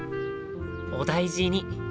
「お大事に」